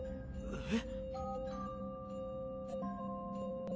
えっ？